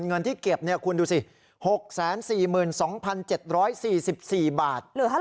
เงินที่เก็บคุณดูสิ๖๔๒๗๔๔บาท